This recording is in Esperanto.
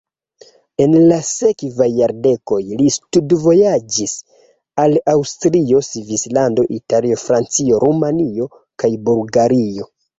En la sekvaj jardekoj li studvojaĝis al Aŭstrio, Svislando, Italio, Francio, Rumanio kaj Bulgario.